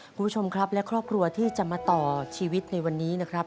คุณผู้ชมครับและครอบครัวที่จะมาต่อชีวิตในวันนี้นะครับ